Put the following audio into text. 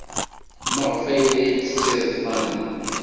Maɣef ay la yettett iẓẓan-a?